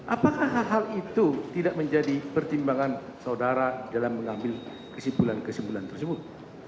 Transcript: apakah hal hal itu tidak menjadi pertimbangan saudara dalam mengambil kesimpulan kesimpulan tersebut